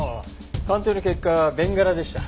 鑑定の結果ベンガラでした。